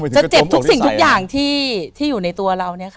จะเจ็บทุกสิ่งทุกอย่างที่อยู่ในตัวเรา